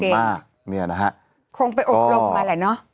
ปกติคงไปโอปรบไปแล้วเนอะ